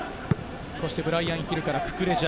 そしてブライアン・ヒルからククレジャ。